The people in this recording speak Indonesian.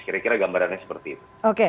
kira kira gambarannya seperti itu